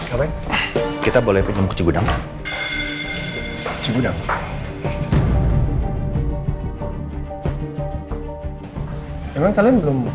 aku lagi berfikir untuk mencoba